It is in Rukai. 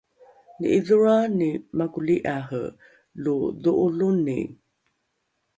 ni’idholroani makoli’are lo dho’oloni